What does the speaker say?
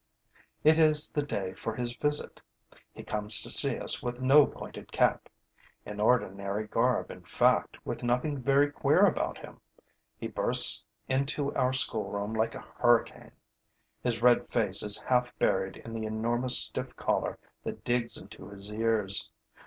It is the day for his visit. He comes to see us with no pointed cap: in ordinary garb, in fact, with nothing very queer about him. He bursts into our schoolroom like a hurricane. His red face is half buried in the enormous stiff collar that digs into his ears.